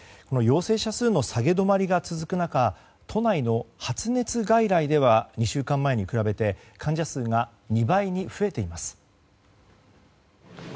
陽性者数の下げ止まりが続く中都内の発熱外来では２週間前に比べて患者数が２倍に増えています。